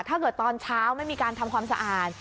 ถ้าเกิดตอนเช้าไม่มีการทำความสะอาด